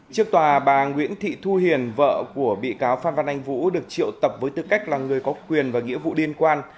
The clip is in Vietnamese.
trước tòa bà nguyễn thị thu hiền vợ của bị cáo phan văn anh vũ được triệu tập với tư cách là người có quyền và nghĩa vụ liên quan